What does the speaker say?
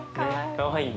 かわいい。